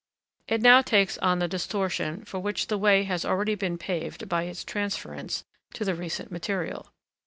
It now takes on the distortion for which the way has already been paved by its transference to the recent material.